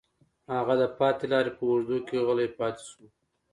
هغه د پاتې لارې په اوږدو کې غلی پاتې شو